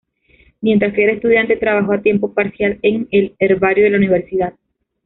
Mientras que era estudiante, trabajó a tiempo parcial, en el herbario de la Universidad.